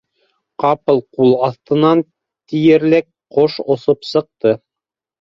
Ҡапыл ҡул аҫтынан тиерлек ҡош осоп сыҡты.